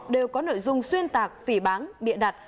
đều có nội dung xuyên tạc phỉ bán bịa đặt